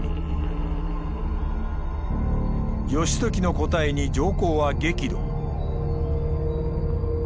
義時の答えに上皇は激怒。